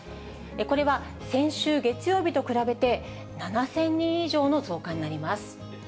これは先週月曜日と比べて、７０００人以上の増加になります。